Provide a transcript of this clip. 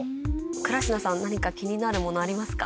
倉科さん何か気になるものありますか？